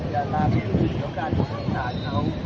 อย่างนั้นเป็นสิ่งเหลือการรักษาเขา